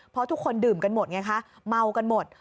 เพราะทุกคนดื่มกันหมดไงคะเมากันหมด